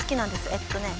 えっとね。